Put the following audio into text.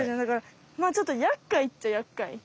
まあちょっとやっかいっちゃやっかい。